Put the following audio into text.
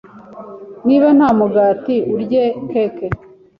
Niba nta mugati, urye keke.